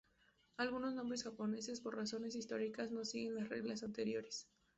Algunos nombres japoneses, por razones históricas, no siguen las reglas anteriores.